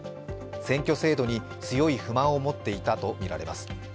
選挙制度に強い不満を持っていたとみられます。